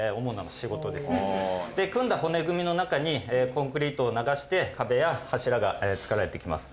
で組んだ骨組みの中にコンクリートを流して壁や柱が作られていきます。